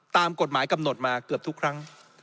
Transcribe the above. ตามกฎหมายกำหนดมาเกือบทุกครั้ง